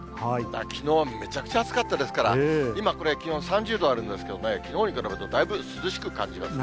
きのう、めちゃくちゃ暑かったですから、今これ、気温３０度あるんですけどね、きのうに比べるとだいぶ涼しく感じますね。